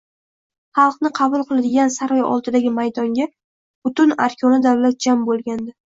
Xalqni qabul qiladigan saroy oldidagi maydonga butun arkoni davlat jam bo`lgandi